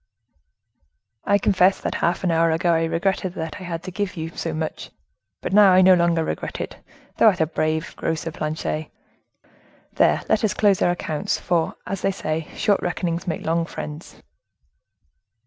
"I confess that half an hour ago I regretted that I had to give you so much; but now I no longer regret it; thou art a brave grocer, Planchet. There, let us close our accounts, for, as they say, short reckonings make long friends."